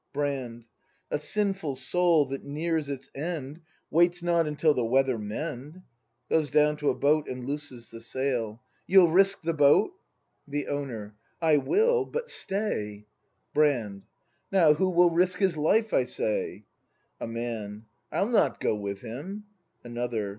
Brand. A sinful soul that nears its end Waits not until the weather mend! [Goes down to a boat and looses the sail.] You'll risk the boat ? ACT II] BRAND 65 The Owner. I will; but stay! Brand. Now, who will risk his life, I say ? A Man. I'll not go with him. Another.